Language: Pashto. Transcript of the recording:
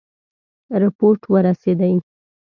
رپوټ ورسېدی.